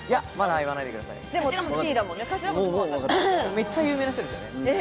めっちゃ有名な人です。